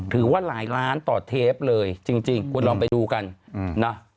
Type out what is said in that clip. หลายล้านต่อเทปเลยจริงคุณลองไปดูกันนะ